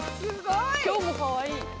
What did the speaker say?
今日もかわいい。